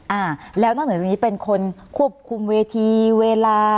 อ่าแล้วนอกเหนือจากนี้เป็นคนควบคุมเวทีเวลา